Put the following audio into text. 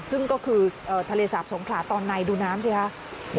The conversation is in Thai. ซึ่งก็คือทะเลสาบสงขลาตอนในดูน้ำสิคะ